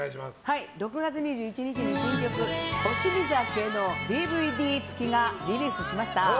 ６月２１日に新曲「星見酒」のＤＶＤ付きをリリースしました。